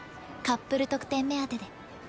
カップル特典目当てで。